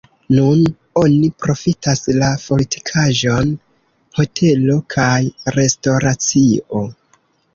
Nun oni profitas la fortikaĵon hotelo kaj restoracio.